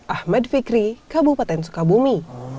ahmad fikri kabupaten sukabumi